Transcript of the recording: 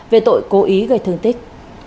về tội cố ý gây thương tích